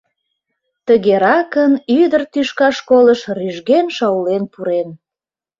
Тыгеракын ӱдыр тӱшка школыш рӱжген-шаулен пурен.